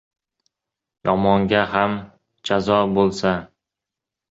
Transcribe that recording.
Yomonga ham jazo bo’lsa